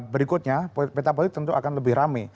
berikutnya peta politik tentu akan lebih rame